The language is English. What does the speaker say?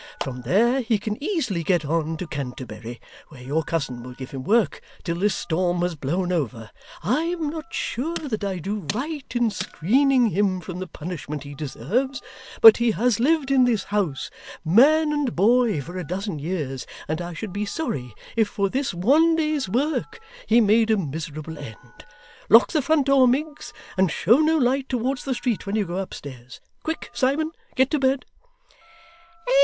From there he can easily get on to Canterbury, where your cousin will give him work till this storm has blown over. I am not sure that I do right in screening him from the punishment he deserves, but he has lived in this house, man and boy, for a dozen years, and I should be sorry if for this one day's work he made a miserable end. Lock the front door, Miggs, and show no light towards the street when you go upstairs. Quick, Simon! Get to bed!